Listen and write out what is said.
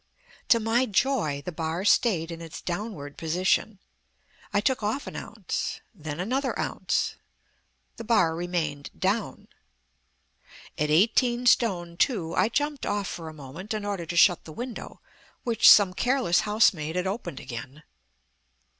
To my joy the bar stayed in its downward position. I took off an ounce ... then another ounce. The bar remained down.... At eighteen stone two I jumped off for a moment in order to shut the window, which some careless housemaid had opened again....